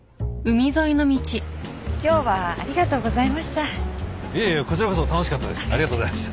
はい？